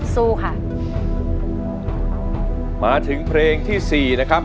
สู้ค่ะมาถึงเพลงที่สี่นะครับ